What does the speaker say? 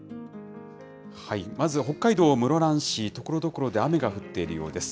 まず北海道室蘭市、ところどころで雨が降っているようです。